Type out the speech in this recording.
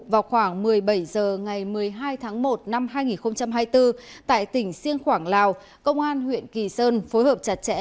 vào khoảng một mươi bảy h ngày một mươi hai tháng một năm hai nghìn hai mươi bốn tại tỉnh siêng khoảng lào công an huyện kỳ sơn phối hợp chặt chẽ